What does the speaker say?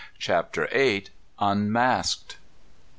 CHAPTER VIII. UNMASKED.